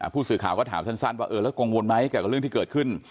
ผู้สื่อข่าวก็ถามสันว่าเอ๊๋ยแล้วกงวลมั้ยจากเรื่องที่เกิดขึ้น